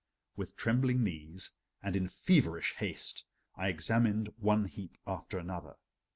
With trembling knees and in feverish haste I examined one heap after another.